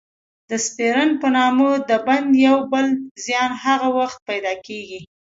د سپرن په نامه د بند یو بل زیان هغه وخت پیدا کېږي.